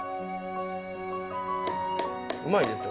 うまいですよ。